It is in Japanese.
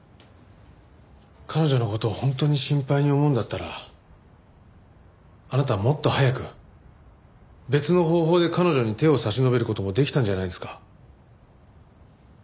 彼女の事を本当に心配に思うんだったらあなたはもっと早く別の方法で彼女に手を差し伸べる事もできたんじゃないですか？